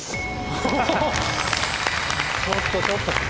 ホホホちょっとちょっと。